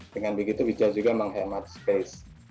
dengan begitu bisa juga menghemat space